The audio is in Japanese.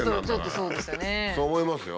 そう思いますよ。